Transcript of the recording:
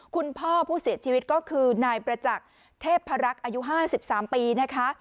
พ่อผู้เสียชีวิตก็คือนายประจักษ์เทพรักษ์อายุ๕๓ปีนะคะ